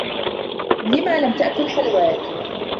لِمَ لَم تأكل حلواك؟